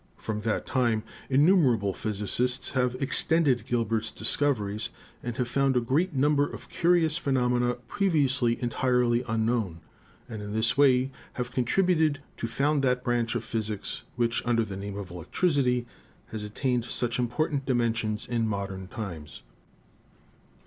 From that time innumerable physi cists have extended Gilbert's discoveries and have found a great number of curious phenomena previously entirely unknown, and in this way have contributed to found that branch of physics which, under the name of Electricity, has attained such important dimensions in modern times.